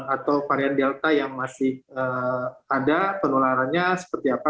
atau varian delta yang masih ada penularannya seperti apa